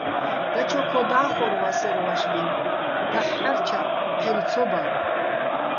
დაჩო ქო და́ხორ ვასერვ ვაშბინ, დაჰ̦ ჰ̦არჩარ ჴელ ცო ბარ.